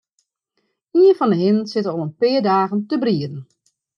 Ien fan 'e hinnen sit al in pear dagen te brieden.